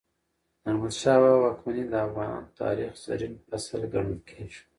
د احمد شاه بابا واکمني د افغان تاریخ زرین فصل ګڼل کېږي.